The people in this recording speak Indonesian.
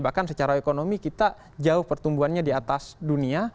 bahkan secara ekonomi kita jauh pertumbuhannya di atas dunia